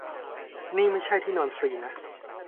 นี่ไม่ใช่ที่นอนฟรีนะ